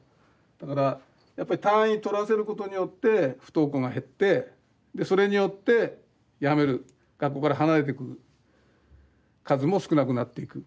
だからやっぱり単位取らせることによって不登校が減ってでそれによってやめる学校から離れてく数も少なくなっていく。